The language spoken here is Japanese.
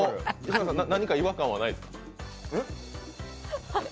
嶋佐さん、何か違和感はないですか？